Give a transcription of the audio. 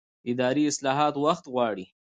اداري اصلاح وخت غواړي